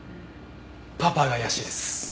パパが怪しいです。